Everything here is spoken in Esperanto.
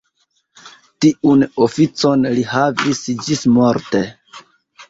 Tiun oficon li havis ĝismorte.